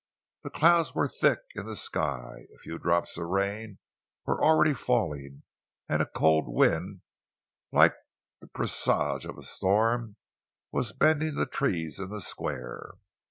The clouds were thick in the sky, a few drops of rain were already falling, and a cold wind, like the presage of a storm, was bending the trees in the square.